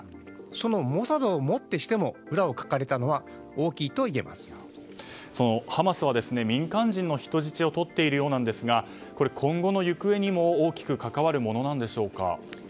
そのモサドをもってしても裏をかかれたのはそのハマスは民間人の人質を取っているようですが今後の行方にも大きく関わるものなんでしょうか。